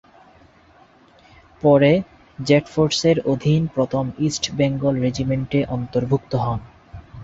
পরে ’জেড’ ফোর্সের অধীন প্রথম ইস্ট বেঙ্গল রেজিমেন্টে অন্তর্ভুক্ত হন।